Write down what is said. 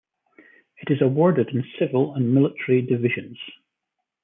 It is awarded in civil and military divisions.